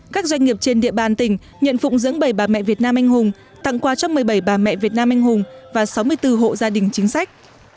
các doanh nghiệp trên địa bàn tỉnh nhận phụng dưỡng bảy bà mẹ việt nam anh hùng tặng quà cho một mươi bảy bà mẹ việt nam anh hùng và sáu mươi bốn hộ gia đình chính sách